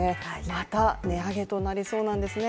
また値上げとなりそうなんですね。